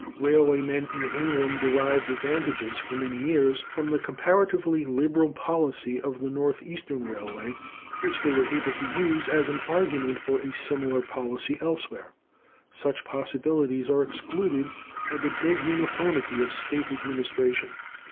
Railway men in England derived advantages for many years from the comparatively liberal policy of the North Eastern Railway, which they were able to use as an argument for a similar policy elsewhere. Such possibilities are excluded by the dead uniformity of state administration.